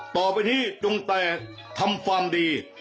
ต่อไปนี้ต้องแต่ทำความดี